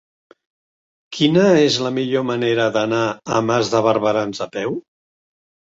Quina és la millor manera d'anar a Mas de Barberans a peu?